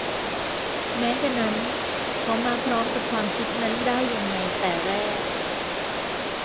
แม้กระนั้น เขามาพร้อมกับความคิดนั้นได้ยังไงแต่แรก